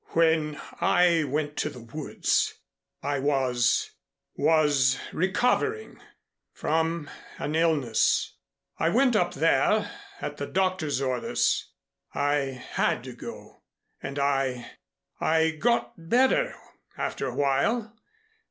"When I went to the woods, I was was recovering from an illness. I went up there at the doctor's orders. I had to go, and I I got better after a while.